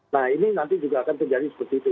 nah ini nanti juga akan terjadi seperti itu